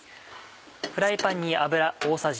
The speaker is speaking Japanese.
フライパンに。